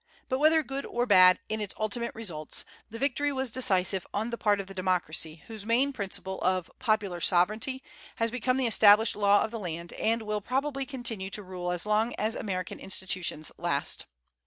But whether good or bad in its ultimate results, the victory was decisive on the part of the democracy, whose main principle of "popular sovereignty" has become the established law of the land, and will probably continue to rule as long as American institutions last.